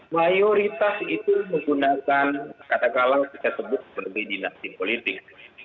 mayoritas itu menggunakan kata kala kita sebut sebagai dinasti politik